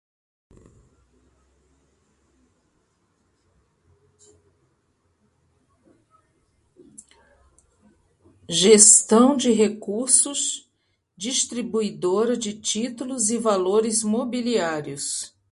Gestão de Recursos Distribuidora de Títulos e Valores Mobiliários